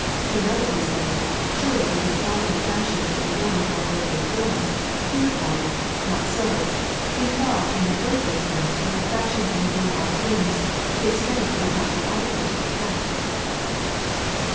To another who said, " Surely it is God who fashions and adorns all earthly forms," he replied, " Not so ; if God in an earthly sense were to fashion and adorn all things, His strength would not be ade quate to the task."